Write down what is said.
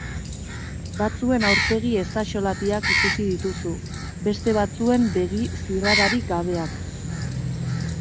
Batzuen aurpegi ezaxolatiak ikusi dituzu, beste batzuen begi zirrararik gabeak.